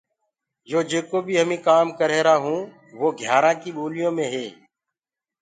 يو جيڪو بي هميٚنٚ ڪآم ڪر رهيرآ هوُنٚ وو گيآرآ ڪيٚ ٻوليو مي هي۔